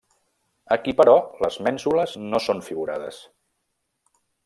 Aquí però, les mènsules no són figurades.